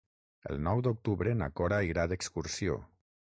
El nou d'octubre na Cora irà d'excursió.